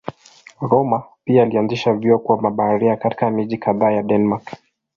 Rømer pia alianzisha vyuo kwa mabaharia katika miji kadhaa ya Denmark.